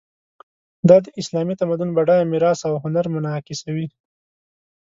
دا د اسلامي تمدن بډایه میراث او هنر منعکسوي.